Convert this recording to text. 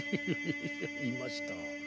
いました。